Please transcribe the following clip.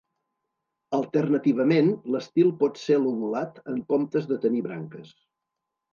Alternativament, l'estil pot ser lobulat en comptes de tenir branques.